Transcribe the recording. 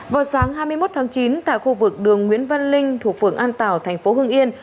vào sáng hai mươi một tháng chín tại khu vực đường nguyễn văn linh thuộc phường an tảo thành phố hưng yên